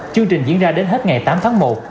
chương trình diễn ra đến hết ngày tám tháng một